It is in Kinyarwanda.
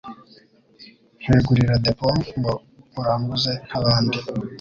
Nkwegurira depo ngo uranguze nkabandi